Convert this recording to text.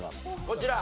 こちら。